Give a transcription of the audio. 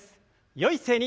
よい姿勢に。